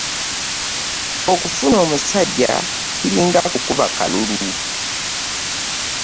Okufuna omusajja kiringa kukuba kalulu.